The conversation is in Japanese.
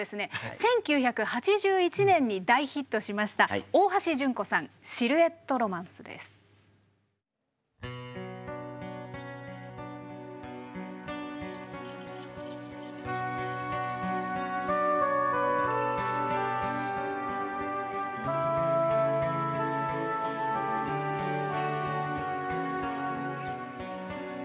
１９８１年に大ヒットしました大橋純子さん「シルエット・ロマンス」です。わ。